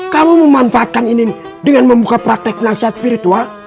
kamu memanfaatkan inin dengan membuka praktek penasihat spiritual